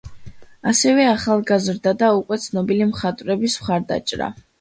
ასევე ახალგაზრდა და უკვე ცნობილი მხატვრების მხარდაჭრა.